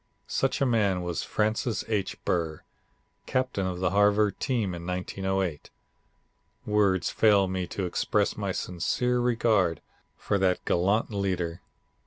Such a man was Francis H. Burr, captain of the Harvard team in 1908. Words fail me to express my sincere regard for that gallant leader.